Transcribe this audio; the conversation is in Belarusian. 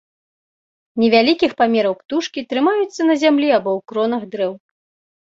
Невялікіх памераў птушкі, трымаюцца на зямлі або ў кронах дрэў.